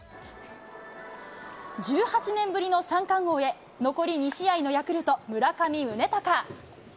１８年ぶりの三冠王へ、残り２試合のヤクルト、村上宗隆。